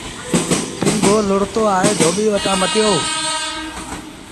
پيٚنگو لوڙتو آئي ڌوٻيٚ وٽآن مٽيو۔